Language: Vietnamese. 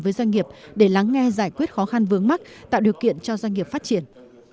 với doanh nghiệp để lắng nghe giải quyết khó khăn vướng mắt tạo điều kiện cho doanh nghiệp phát triển